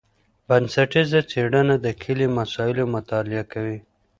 بنسټیزه څېړنه د کلي مسایلو مطالعه کوي.